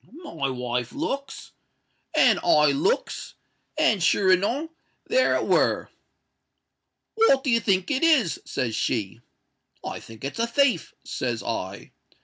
My wife looks—and I looks—and sure enow there it were.—'What do you think it is?' says she.—'I think it's a thief,' says I.